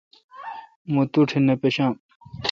مہ توٹھے نہ پشام۔